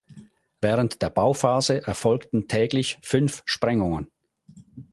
Während der Bauphase erfolgten täglich fünf Sprengungen.